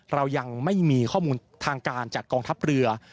เรายังไม่มีข้อมูลทางการจากกองทัพเรือ